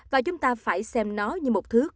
và chúng ta phải xem nó như một thứ có tính